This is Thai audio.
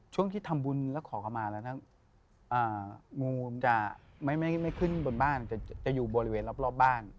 ช่วงที่ทำบุญแล้วขอเข้ามาแล้วงูมันจะไม่ขึ้นบนบ้านจะอยู่บริเวณรอบบ้าน